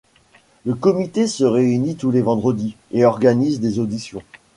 Le Comité se réunit tous les vendredis et organise des auditions.